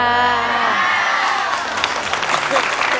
พร้อม